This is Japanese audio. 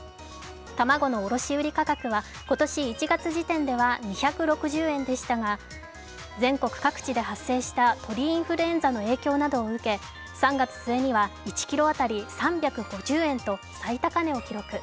卵の卸売価格は、今年１月時点では２６０円でしたが、全国各地で発生した鳥インフルエンザの影響などを受け３月末には１ｋｇ当たり３５０円と最高値を記録。